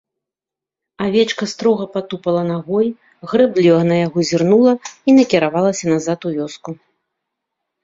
Авечка строга патупала нагой, грэбліва на яго зірнула і накіравалася назад у вёску.